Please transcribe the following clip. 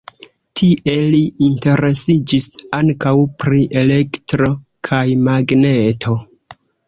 Tie li interesiĝis ankaŭ pri elektro kaj magneto.